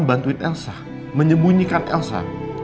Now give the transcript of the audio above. bantuin elsa menyembunyikan elsa